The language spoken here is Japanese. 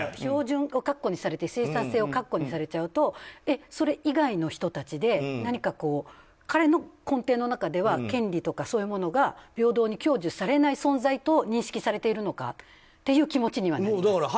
標準をかっこにされて生産性をかっこにされちゃうとそれ以外の人たちで何か彼の根底の中では権利とか、そういうものが平等に享受されない存在と認識されているのかという気持ちにはなります。